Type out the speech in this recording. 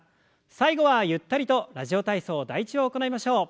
最後はゆったりと「ラジオ体操第１」を行いましょう。